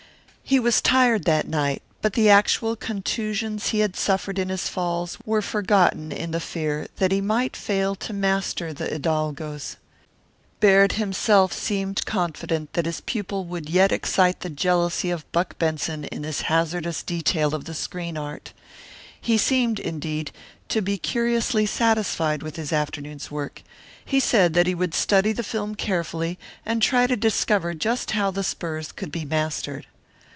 He was tired that night, but the actual contusions he had suffered in his falls were forgotten in the fear that he might fail to master the hidalgos. Baird himself seemed confident that his pupil would yet excite the jealousy of Buck Benson in this hazardous detail of the screen art. He seemed, indeed, to be curiously satisfied with his afternoon's work. He said that he would study the film carefully and try to discover just how the spurs could be mastered.